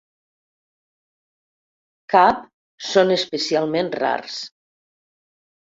Cap són especialment rars.